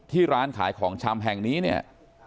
ร้านขายของชำแห่งนี้เนี่ย